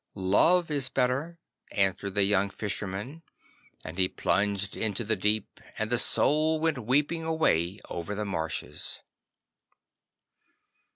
'Love is better,' answered the young Fisherman, and he plunged into the deep, and the Soul went weeping away over the marshes.